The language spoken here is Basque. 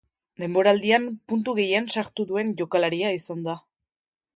Denboraldian puntu gehien sartu duen jokalaria izan da.